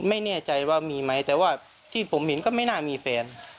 ไม่แน่ใจว่ามีไหมแต่ว่าที่ผมเห็นก็ไม่น่ามีแฟน